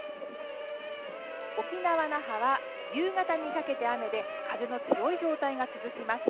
沖縄・那覇は夕方にかけて雨で風の強い状態が続きます。